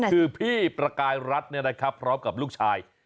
คือพี่ประกายรัฐเนี่ยนะครับพร้อมกับลูกชาย